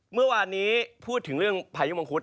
เมื่อวานนี้พูดถึงเรื่องพายุมังคุด